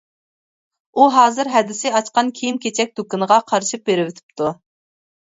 ئۇ ھازىر ھەدىسى ئاچقان كىيىم-كېچەك دۇكىنىغا قارىشىپ بېرىۋېتىپتۇ.